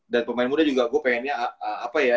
dan pemain muda juga gue pengennya apa ya